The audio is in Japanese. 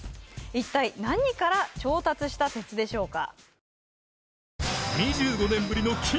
一体何から調達した鉄でしょうか？